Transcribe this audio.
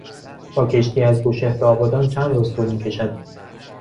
با کشتی از بوشهر به آبادان چند روز طول میکشد؟